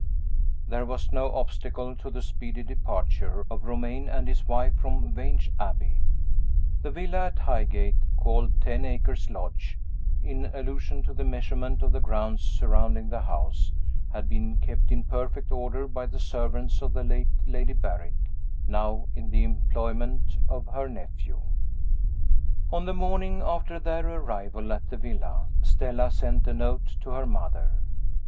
THERE was no obstacle to the speedy departure of Romayne and his wife from Vange Abbey. The villa at Highgate called Ten Acres Lodge, in allusion to the measurement of the grounds surrounding the house had been kept in perfect order by the servants of the late Lady Berrick, now in the employment of her nephew. On the morning after their arrival at the villa, Stella sent a note to her mother.